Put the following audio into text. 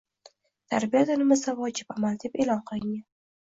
Tarbiya dinimizda vojib amal, deb e'lon qilingan